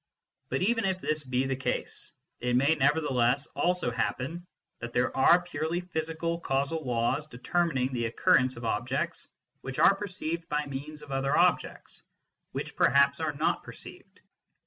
But even if this be the case, it may never theless also happen that there are purely physical causal laws determining the occurrence of objects which are perceived by means of other objects which perhaps are not perceived.